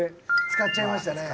使っちゃいましたね。